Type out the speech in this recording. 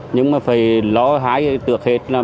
nhưng mà phải lo hái được hết là không cháy chữa cháy